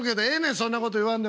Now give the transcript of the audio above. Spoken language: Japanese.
そんなこと言わんでも。